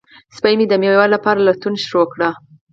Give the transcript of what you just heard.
سپی مې د مېوې لپاره لټون پیل کړ.